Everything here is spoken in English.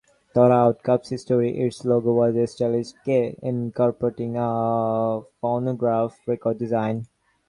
Throughout Kapp's history, its logo was a stylized "K" incorporating a phonograph record design.